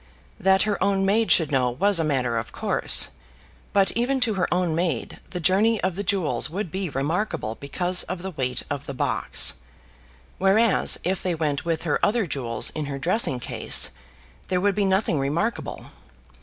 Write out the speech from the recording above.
That her own maid should know was a matter of course; but even to her own maid the journey of the jewels would be remarkable because of the weight of the box, whereas if they went with her other jewels in her dressing case, there would be nothing remarkable.